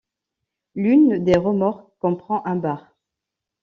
L'une des remorques comprend un bar.